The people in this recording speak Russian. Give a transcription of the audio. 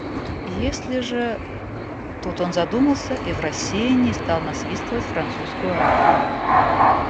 Если же…» Тут он задумался и в рассеянии стал насвистывать французскую арию.